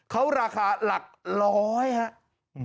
เขาราคาหลักร้อยครับ